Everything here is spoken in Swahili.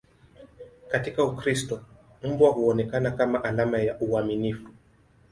Katika Ukristo, mbwa huonekana kama alama ya uaminifu.